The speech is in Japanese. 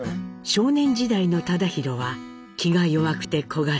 少年時代の忠宏は気が弱くて小柄。